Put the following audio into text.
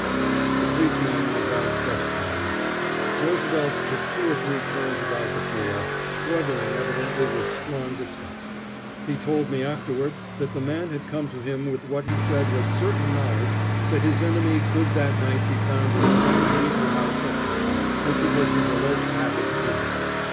The policeman went out crestfallen. Roosevelt took two or three turns about the floor, struggling evidently with strong disgust. He told me afterward that the man had come to him with what he said was certain knowledge that his enemy could that night be found in a known evil house up town, which it was his alleged habit to visit.